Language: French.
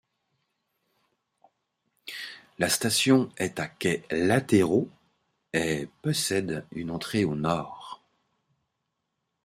La station est à quais latéraux et possède une entrée au nord.